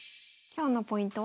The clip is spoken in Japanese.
今日のポイント